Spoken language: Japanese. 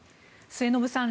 末延さん